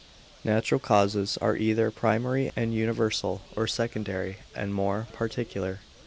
Natural causes are either primary and universal, or secondary and more particular.